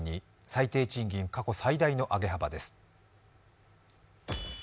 最低賃金、過去最大の上げ幅です。